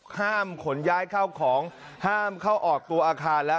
ขนย้ายเข้าของห้ามเข้าออกตัวอาคารแล้ว